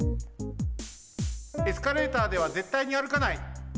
エスカレーターではぜったいに歩かない。